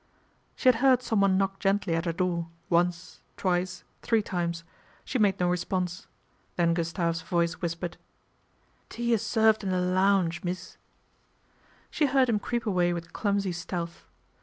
She had heard someone knock gently at her door, once, twice, three times. She made no response. Then Gustave's voice whispered, " Tea is served in the looaunge, mees." She heard him creep away with clumsv stealth.